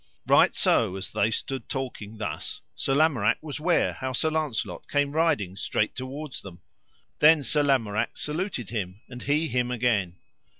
Right so as they stood talking thus Sir Lamorak was ware how Sir Launcelot came riding straight toward them; then Sir Lamorak saluted him, and he him again.